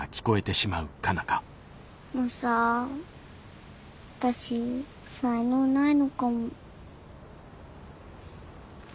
マサ私才能ないのかも。